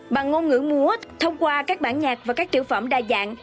bằng ngôn ngữ múa thông qua các bản nhạc và các tiểu phẩm đa dạng